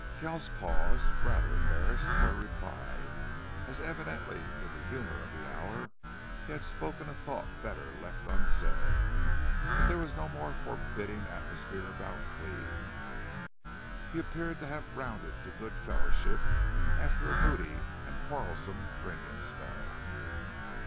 Kells paused, rather embarrassed for a reply, as evidently in the humor of the hour he had spoken a thought better left unsaid. But there was no more forbidding atmosphere about Cleve. He appeared to have rounded to good fellowship after a moody and quarrelsome drinking spell.